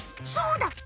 そうだ！